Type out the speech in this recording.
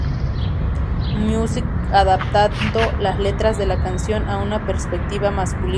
Music, adaptando las letras de la canción a una perspectiva masculina.